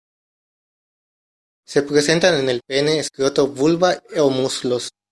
Se presentan en el pene, escroto, vulva o muslos.